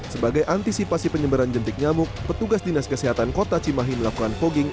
sebagai antisipasi penyebaran jentik nyamuk petugas dinas kesehatan kota cimahi melakukan fogging